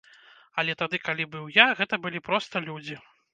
Але тады, калі быў я, гэта былі проста людзі.